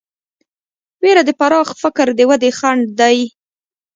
وېره د پراخ فکر د ودې خنډ دی.